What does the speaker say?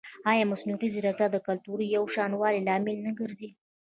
ایا مصنوعي ځیرکتیا د کلتوري یوشان والي لامل نه ګرځي؟